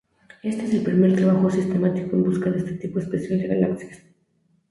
Este es el primer trabajo sistemático en busca de este tipo especial de galaxias.